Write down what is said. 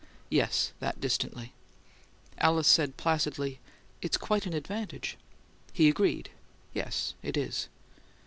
"Yes; that distantly." Alice said placidly, "It's quite an advantage." He agreed. "Yes. It is."